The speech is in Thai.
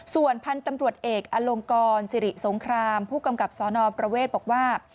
ส่วนพันธุ์ตำรวจเอกอลงกรสิริสงครามผู้กำกับสนประเวทบอกว่า